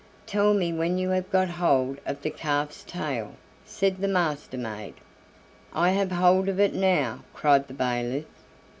"Tell me when you have got hold of the calf's tail," said the Master maid. "I have hold of it now," cried the bailiff.